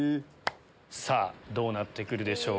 どうなってくるでしょうか？